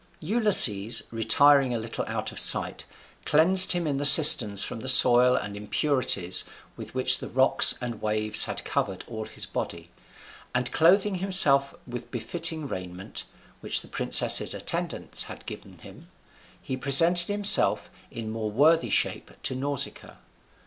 Ulysses, retiring a little out of sight, cleansed him in the cisterns from the soil and impurities with which the rocks and waves had covered all his body, and clothing himself with befitting raiment, which the princess's attendants had given him, he presented himself in more worthy shape to Nausicaa.